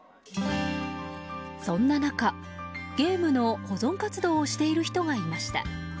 そんな中ゲームの保存活動をしている方がいました。